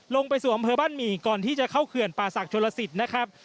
ลงไปสู่อำเภอบ้านหมี่ก่อนที่จะเข้าเขื่อนป่าศักดิชนลสิตนะครับ